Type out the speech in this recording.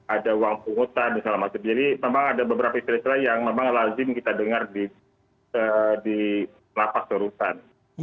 ada uang pungutan misalnya macam itu jadi memang ada beberapa istilah istilah yang memang lazim kita dengar di lapas terlapas